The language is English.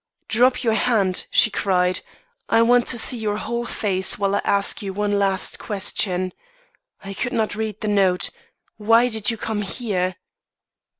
'Drop your hand,' she cried. 'I want to see your whole face while I ask you one last question. I could not read the note. Why did you come _here?